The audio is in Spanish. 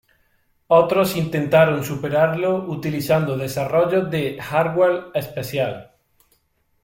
Otros intentaron superarlo utilizando desarrollos de hardware especial.